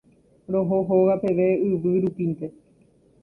Roho hóga peve yvy rupínte.